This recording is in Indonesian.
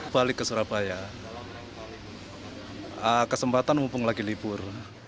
balik ke surabaya kesempatan mumpung lagi libur